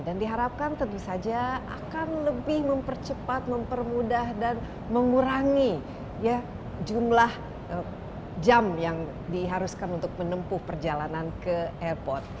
dan diharapkan tentu saja akan lebih mempercepat mempermudah dan mengurangi jumlah jam yang diharuskan untuk menempuh perjalanan ke airport